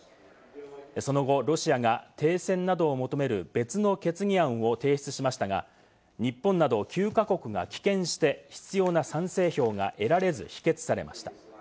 その後、ロシアが停戦などを求める別の決議案を提出しましたが、日本など９か国が棄権して、必要な賛成票が得られず否決されました。